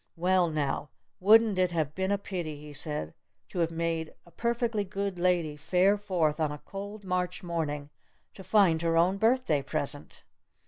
"Well, now, wouldn't it have been a pity," he said, "to have made a perfectly good lady fare forth on a cold March morning to find her own birthday present?"